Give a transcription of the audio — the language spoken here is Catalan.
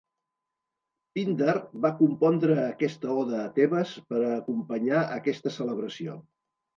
Píndar va compondre aquesta oda a Tebes per a acompanyar aquesta celebració.